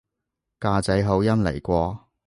㗎仔口音嚟喎